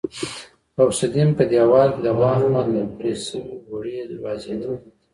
غوث الدين په دېوال کې د باغ خواته پرې شوې وړې دروازې ته وکتل.